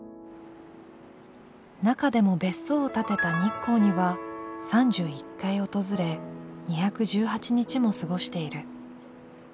中でも別荘を建てた日光には３１回訪れ２１８日も過ごしている。